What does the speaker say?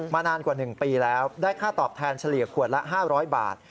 นานกว่า๑ปีแล้วได้ค่าตอบแทนเฉลี่ยขวดละ๕๐๐บาท